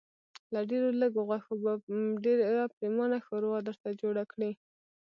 له ډېرو لږو غوښو به ډېره پرېمانه ښوروا درته جوړه کړي.